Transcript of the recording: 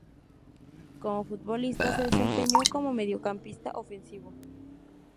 Como futbolista se desempeñó como mediocampista ofensivo.